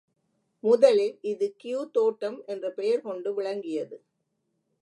முதலில் இது கியூ தோட்டம் என்ற பெயர் கொண்டு விளங்கியது.